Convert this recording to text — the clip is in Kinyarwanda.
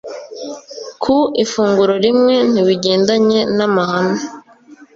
ku ifunguro rimwe ntibigendanye namahame